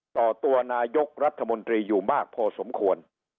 ต่อตัวนายกรัฐมนตรีอยู่มากพอสมควร